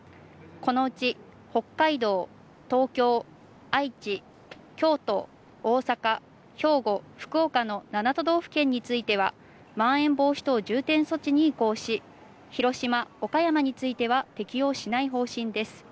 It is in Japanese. このうち北海道、東京、愛知、京都、大阪、兵庫、福岡の７都道府県についてはまん延防止等重点措置に移行し、広島、岡山については適用しない方針です。